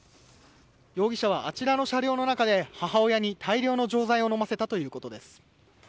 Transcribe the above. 容疑者はあちらの車両の中で母親に大量の錠剤を飲ませたということです。